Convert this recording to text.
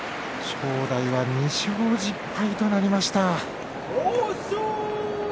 正代は２勝１０敗となりました。